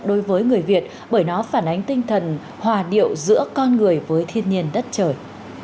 đối với người việt bởi nó phản ánh tinh thần hòa điệu giữa con người với thiên nhiên đất trời